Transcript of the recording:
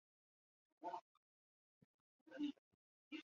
中山堂是用以纪念孙文而常见的建筑名称。